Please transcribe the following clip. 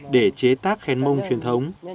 để chế tác khen mông truyền thống